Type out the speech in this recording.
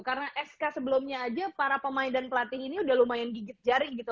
karena sk sebelumnya aja para pemain dan pelatih ini udah lumayan gigit jari gitu